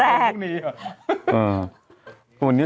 หรือวันนี้กว่ามันนั้นแห่งวันนี้อ่ะ